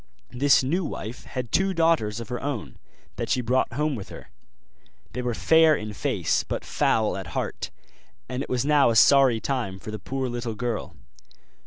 This new wife had two daughters of her own, that she brought home with her; they were fair in face but foul at heart, and it was now a sorry time for the poor little girl.